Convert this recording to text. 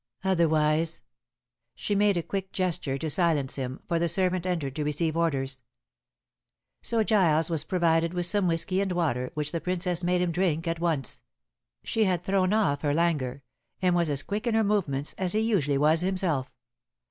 Otherwise " She made a quick gesture to silence him, for the servant entered to receive orders. So Giles was provided with some whiskey and water, which the Princess made him drink at once. She had thrown off her languor, and was as quick in her movements as he usually was himself.